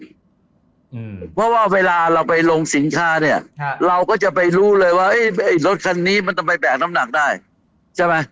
เพราะว่าเวลาเราไปลงสินค้าเนี่ยเราก็จะไปรู้เลยว่าไอ้รถคันนี้มันต้องไปแบกน้ำหนักได้ใช่ไหม